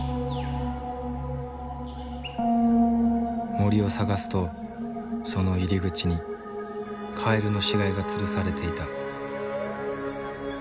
森を捜すとその入り口にカエルの死骸がつるされていた。